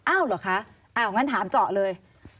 เหรอคะอ้าวงั้นถามเจาะเลย